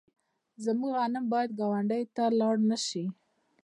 زموږ غنم باید ګاونډیو ته لاړ نشي.